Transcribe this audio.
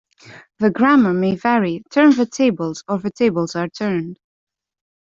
The grammar may vary - "turn the tables" or "the tables are turned".